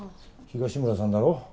東村さんだろ？